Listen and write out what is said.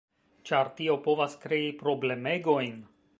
ĉar tio povas krei problemegojn.